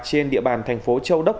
trên địa bàn thành phố châu đốc